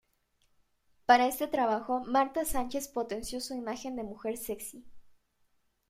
Para este trabajo, Marta Sánchez potenció su imagen de mujer sexy.